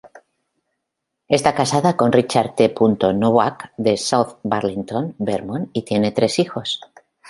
Está casada con Richard T. Nowak, de South Burlington, Vermont y tienen tres hijos.